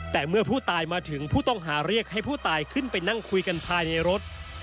แต่เมื่อผู้ตายมาถึงผู้ต้องหาเรียกให้ผู้ตายขึ้นไปนั่งคุยกันภายในรถ